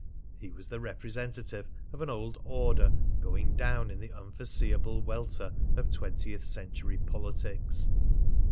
He was the representative of an old order going down in the unforeseeable welter of twentieth century politics.